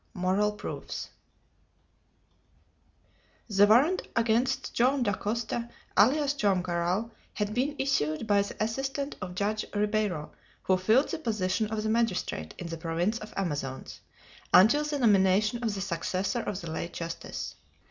MORAL PROOFS The warrant against Joam Dacosta, alias Joam Garral, had been issued by the assistant of Judge Ribeiro, who filled the position of the magistrate in the province of Amazones, until the nomination of the successor of the late justice.